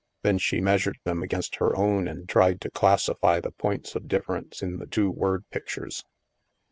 Then she meas ured them against her own and tried to classify the points of difference in the two word pictures.